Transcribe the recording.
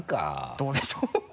どうでしょう？